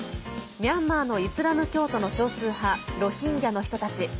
ミャンマーのイスラム教徒の少数派、ロヒンギャの人たち。